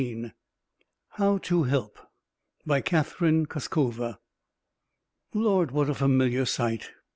_ HOW TO HELP? BY CATHERINE KUSKOVA Lord, what a familiar sight!